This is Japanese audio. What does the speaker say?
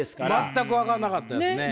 全く分かんなかったですね。